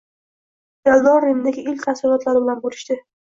Eldor Rimdagi ilk taassurotlari bilan bo‘lishdi